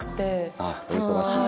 ああお忙しい。